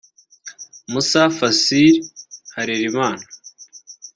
Musa Fazil Harerimana